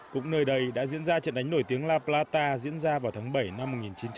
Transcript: cũng nơi đây đã diễn ra trận đánh nổi tiếng la plata diễn ra vào tháng bảy năm một nghìn chín trăm bảy mươi